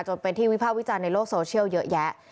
จนเป็นที่วิภาควิจารณ์ในโลกโซเชียลเยอะแยะ